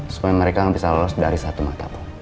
supaya mereka nggak bisa lolos dari satu mata pak